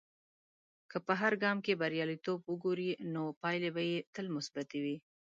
که په هر ګام کې بریالیتوب وګورې، نو پایلې به تل مثبتي وي.